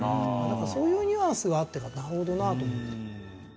そういうニュアンスがあってなるほどなと思って。